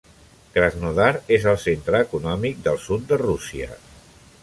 Krasnodar és el centre econòmic del sud de Rússia.